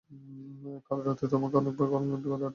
কাল রাতে তোমাকে অনেকবার কল আর টেক্সট করেছিলাম।